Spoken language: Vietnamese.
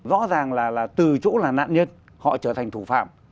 rõ ràng là từ chỗ là nạn nhân họ trở thành thủ phạm